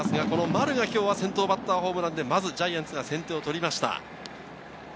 丸は今日が先頭バッターホームランでジャイアンツが先手を取りました。